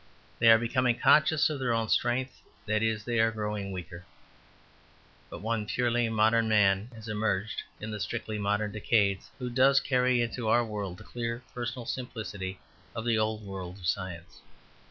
They are becoming conscious of their own strength that is, they are growing weaker. But one purely modern man has emerged in the strictly modern decades who does carry into our world the clear personal simplicity of the old world of science.